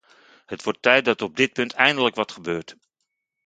Het wordt tijd dat op dit punt eindelijk wat gebeurt.